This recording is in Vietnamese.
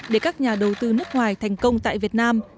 để các nhà đầu tư nước ngoài thành công tại việt nam